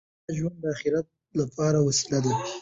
د دنیا ژوند د اخرت لپاره وسیله ده.